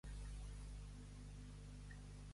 Devessall de paraules.